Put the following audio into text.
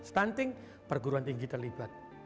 stunting perguruan tinggi terlibat